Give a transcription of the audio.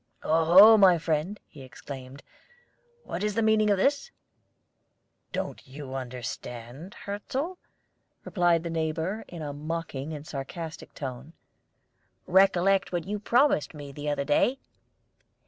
"Oho, my friend," he exclaimed, "what is the meaning of this?" "Don't you understand, Hirzel?" replied his neighbor, in a mocking and sarcastic tone. "Recollect what you promised me the other day.